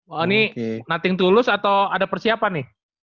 oh ini nothing to lose atau ada persiapan nih